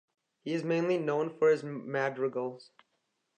He is mainly known for his madrigals.